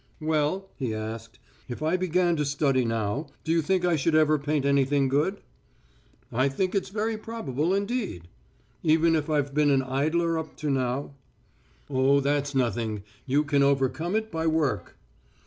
"Well," he asked, "if I began to study now, do you think I should ever paint anything good?" "I think it's very probable indeed." "Even if I've been an idler up till now?" "Oh, that's nothing. You can overcome it by work."